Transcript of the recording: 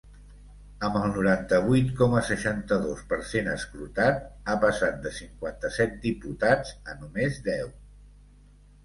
Amb el noranta-vuit coma seixanta-dos per cent escrutat, ha passat de cinquanta-set diputats a només deu.